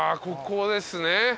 ここですね。